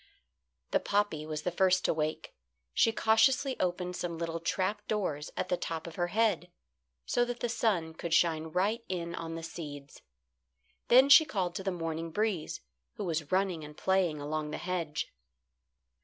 The poppy was the first to wake. She cautiously opened some little trap doors at the top of her head, so that the sun could shine right in on the seeds. Then she called to the morning breeze, who was running and playing along the hedge.